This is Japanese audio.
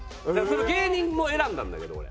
その芸人も選んだんだけど俺。